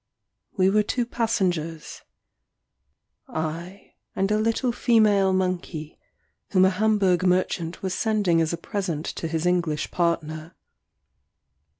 We were two passengers ; I and a little female monkey, whom a Hamburg merchant was sending as a present to his English partner.